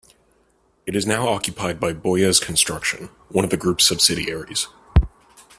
It is now occupied by Bouygues Construction, one of the group's subsidiaries.